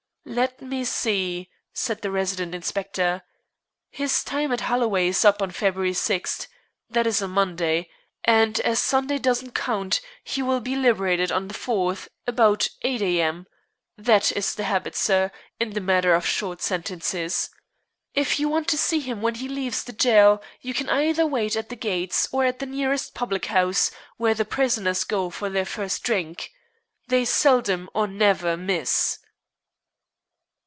"Let me see," said the resident inspector, "his time at Holloway is up on February 6. That is a Monday, and as Sunday doesn't count, he will be liberated on the 4th, about 8 A.M. That is the habit, sir, in the matter of short sentences. If you want to see him when he leaves the jail you can either wait at the gates or at the nearest public house, where the prisoners go for their first drink. They seldom or never miss."